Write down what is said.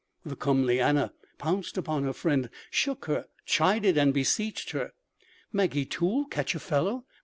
The comely Anna pounced upon her friend, shook her, chided and beseeched her. Maggie Toole catch a fellow!